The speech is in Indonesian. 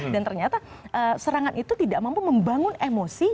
ternyata serangan itu tidak mampu membangun emosi